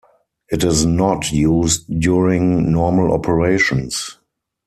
It is not used during normal operations.